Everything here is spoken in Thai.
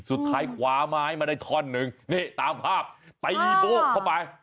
สุดท้ายขวาไม้มาได้ท่อนหนึ่งนี่ตามภาพตีโบ้งเข้าไป